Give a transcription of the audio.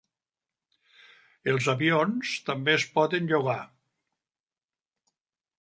Els avions també es poden llogar.